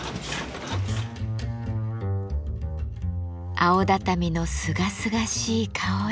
青畳のすがすがしい香り。